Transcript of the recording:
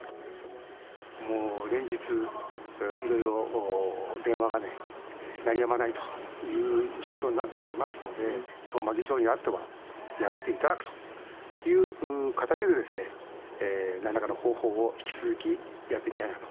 もう連日、いろいろ電話が鳴りやまないという状況になっておりますので、東間議長にあっては、辞めていただくという形で、なんらかの方法を引き続きやっていきたいなと。